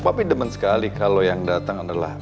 tapi demen sekali kalau yang datang adalah